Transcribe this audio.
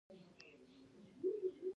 پنځه ساعته لازم او پنځه ساعته اضافي کار دی